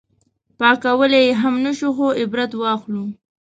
پاک کولی یې هم نه شو خو عبرت واخلو.